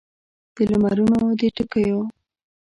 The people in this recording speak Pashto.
د لمرونو د ټکېو